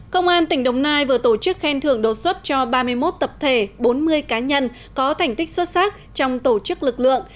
công an tỉnh đồng nai vừa tổ chức khen thưởng đột xuất cho ba mươi một tập thể bốn mươi cá nhân có thành tích xuất sắc trong tổ chức lực lượng